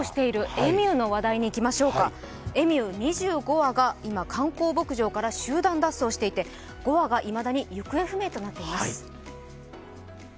エミュー２５羽が今、観光牧場から集団脱走していて５羽がいまだに行方不明となっています。